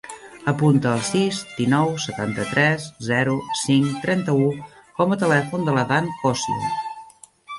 Apunta el sis, dinou, setanta-tres, zero, cinc, trenta-u com a telèfon de l'Adán Cossio.